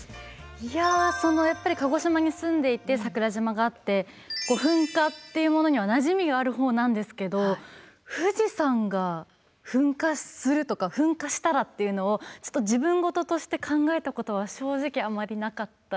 いややっぱり鹿児島に住んでいて桜島があって噴火っていうものにはなじみがある方なんですけど富士山が噴火するとか噴火したらっていうのを自分事として考えたことは正直あんまりなかったです。